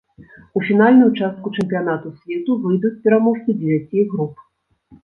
У фінальную частку чэмпіянату свету выйдуць пераможцы дзевяці груп.